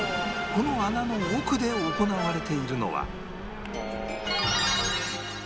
この穴の奥で行われているのは